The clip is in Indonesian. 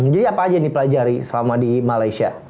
jadi apa aja yang dipelajari selama di malaysia